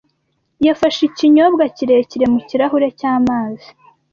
[S] yafashe ikinyobwa kirekire mu kirahure cy'amazi.